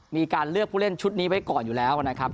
มีการเลือกผู้เล่นชุดประกาศนี้ไว้ก่อน